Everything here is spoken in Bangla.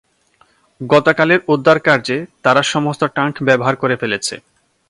গতকালের উদ্ধারকার্যে, তারা সমস্ত ট্যাঙ্ক ব্যবহার করে ফেলেছে।